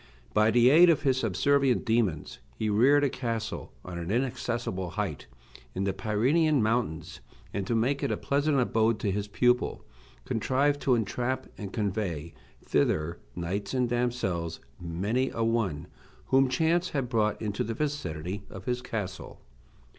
By the aid of his subservient demons he reared a castle on an inaccessible height, in the Pyrenean mountains, and to make it a pleasant abode to his pupil, contrived to entrap and convey thither knights and damsels many a one, whom chance had brought into the vicinity of his castle.